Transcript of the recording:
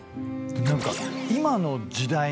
何か今の時代の。